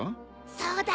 そうだよ。